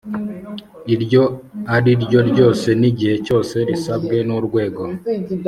iryo ari ryo ryose n igihe cyose risabwe n Urwego